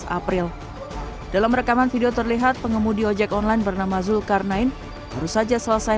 dua belas april dalam rekaman video terlihat pengemudi ojek online bernama zulkarnain baru saja selesai